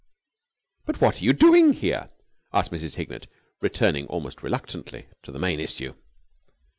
"But what are you doing here?" asked Mrs. Hignett, returning almost reluctantly to the main issue.